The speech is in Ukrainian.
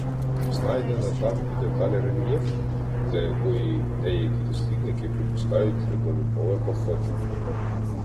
Знайдено там і деталь рельєфу, для якої деякі дослідники припускають льодовикове походження.